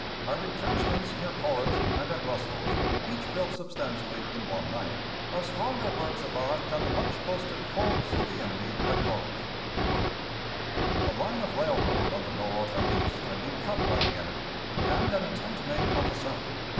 Our intrenchments near Corinth and at Russell's, each built substantially in one night, are stronger works of art than the much boasted forts of the enemy at Corinth." The line of railroad on the north and east had been cut by the enemy, and an attempt made on the south.